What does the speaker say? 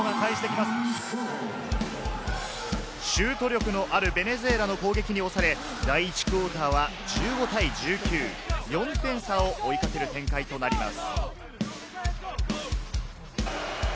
シュート力のあるベネズエラの攻撃に押され、第１クオーターは１５対１９、４点差を追いかける展開となります。